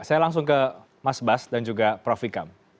terus ke mas bas dan juga prof vikam